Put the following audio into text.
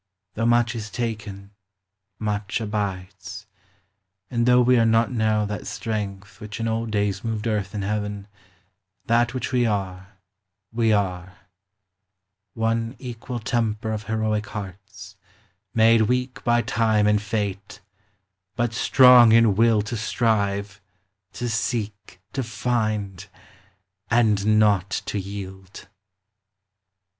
Though much is taken, much abides ; and though We are not now that strength which in old days Moved earth and heaven; that which we are, we are; One equal temper of heroic hearts, Made weak by time and fate, but strong in will To strive, to seek, to find, and not to yield.